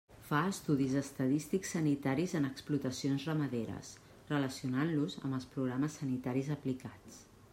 Fa estudis estadístics sanitaris en explotacions ramaderes, relacionant-los amb els programes sanitaris aplicats.